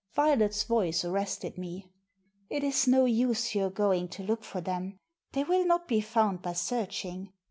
Violet's voice arrested me. It is no use your going to look for them. They will not be found by searching.